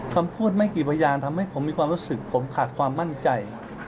คำพูดไม่กี่พยานทำให้ผมมีความรู้สึกผมขาดความมั่นใจ